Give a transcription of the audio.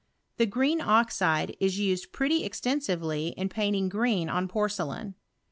The green oxide is used pretty esten srvely in painting green on porcelain.